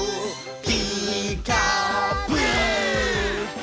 「ピーカーブ！」